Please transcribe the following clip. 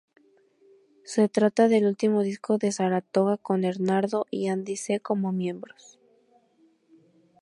Se trata del último disco de Saratoga con Hernando y Andy C. como miembros.